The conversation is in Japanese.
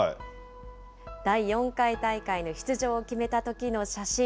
第４回大会の出場を決めたときの写真。